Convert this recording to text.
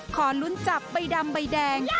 ขอลุ้นจับใบดำใบแดง